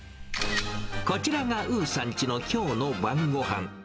こちらがウーさんちのきょうの晩ごはん。